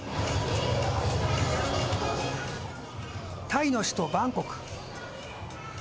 タイの首都バンコク。